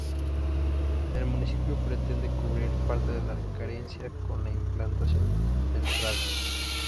El municipio pretende cubrir parte de esta carencia con la implantación del tranvía.